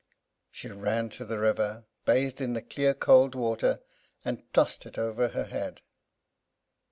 She ran to the river, bathed in the clear cold water, and tossed it over her head.